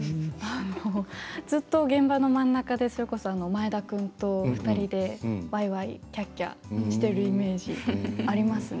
ずっと現場の真ん中で前田君と２人でわいわいきゃっきゃしているイメージありますね。